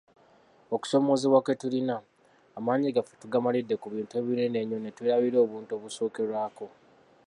Okusoomoozebwa kwetulina, amaanyi gaffe tugamalidde ku bintu ebinene ennyo netwerabira obuntu obusookerwako.